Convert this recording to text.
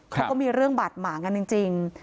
เขาก็มีเรื่องบาดหมางกันจริง